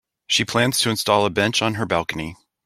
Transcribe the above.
She plans to install a bench on her balcony.